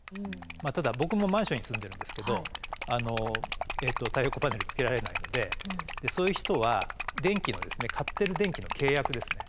ただ僕もマンションに住んでるんですけど太陽光パネルつけられないのでそういう人は電気の買ってる電気の契約ですね